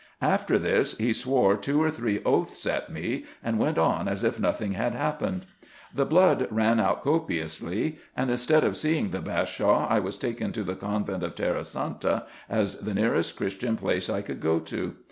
After this he swore two or three oaths at me, and went on as if nothing had happened. The blood ran out copiously ; and, instead of seeing the Bashaw, I was taken to the convent of Tera santa, as the nearest Christian place I could go to.